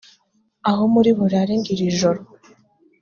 aho muri burare g iri joro